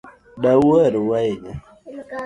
Dau ohero u ahinya